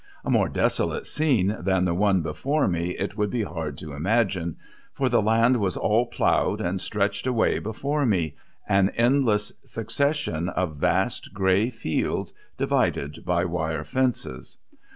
A more desolate scene than the one before me it would be hard to imagine, for the land was all ploughed and stretched away before me, an endless succession of vast grey fields, divided by wire fences.